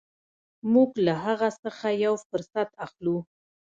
موږ له هغه څخه یو فرصت اخلو.